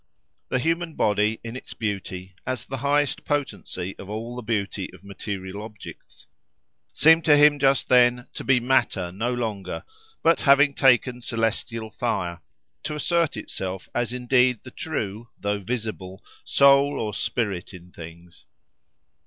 The human body in its beauty, as the highest potency of all the beauty of material objects, seemed to him just then to be matter no longer, but, having taken celestial fire, to assert itself as indeed the true, though visible, soul or spirit in things.